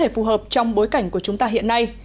phù hợp trong bối cảnh của chúng ta hiện nay